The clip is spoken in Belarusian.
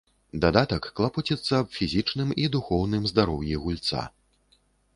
Дадатак клапоціцца аб фізічным і духоўным здароўі гульца.